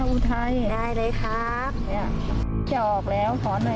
อูไทยให้ไหนเล่า